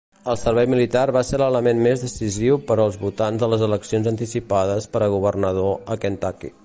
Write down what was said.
El servei militar va ser l'element més decisiu per als votants a les eleccions anticipades per a governador de Kentucky.